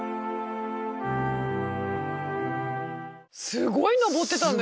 すごい登ってたね！